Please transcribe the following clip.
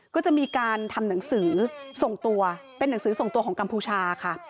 ก็จะมีการทำหนังสือส่งตัวเป็นหนังสือส่งตัวของกัมพูชาค่ะ